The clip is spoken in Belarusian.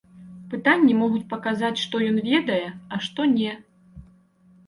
Пытанні могуць паказаць, што ён ведае, а што не.